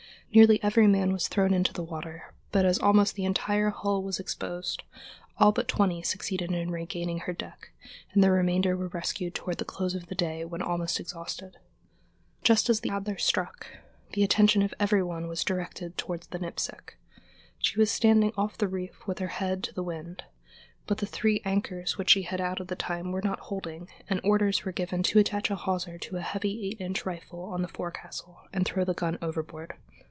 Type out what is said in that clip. Nearly every man was thrown into the water, but as almost the entire hull was exposed, all but twenty succeeded in regaining her deck, and the remainder were rescued toward the close of the day when almost exhausted. Just after the Adler struck, the attention of every one was directed toward the Nipsic. She was standing off the reef with her head to the wind, but the three anchors which she had out at the time were not holding; and orders were given to attach a hawser to a heavy eight inch rifle on the forecastle and throw the gun overboard.